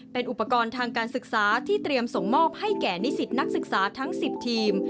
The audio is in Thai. เป็นอุปกรณ์ทางการศึกษาที่เตรียมส่งมอบให้แก่นิสิตนักศึกษาทั้ง๑๐ทีม